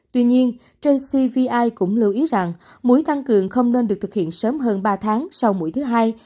tuy nhiên jcvi cũng lưu ý rằng mũi tăng cường không nên được thực hiện sớm hơn ba tháng sau mũi thứ hai